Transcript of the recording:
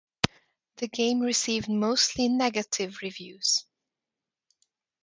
The game received mostly negative reviews.